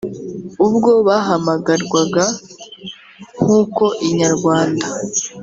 ubwo bahamagarwaga nkuko Inyarwanda